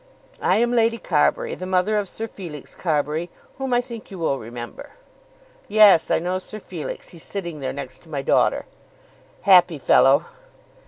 I am Lady Carbury, the mother of Sir Felix Carbury, whom I think you will remember." "Yes; I know Sir Felix. He's sitting there, next to my daughter." "Happy fellow!"